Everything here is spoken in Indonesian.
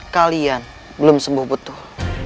kalian belum sembuh betul